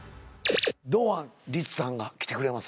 堂安律さんが来てくれます。